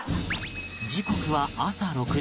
時刻は朝６時